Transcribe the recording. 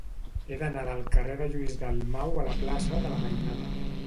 He d'anar del carrer de Lluís Dalmau a la plaça de la Mainada.